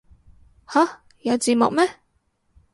吓有字幕咩